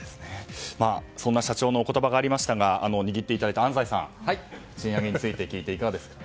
そんな社長のお言葉がありましたが握っていただいた安齋さん賃上げについて聞いてどうですか。